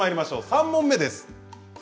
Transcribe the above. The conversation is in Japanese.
３問目です。